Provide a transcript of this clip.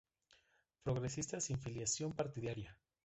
Progresista sin filiación partidaria.